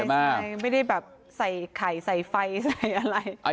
ใช่ไม่ได้แบบใส่ไข่ใส่ไฟใส่อะไร